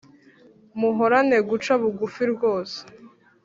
muhorane guca bugufi rwose